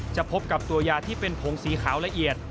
พบกับตัวยาที่เป็นผงสีขาวละเอียด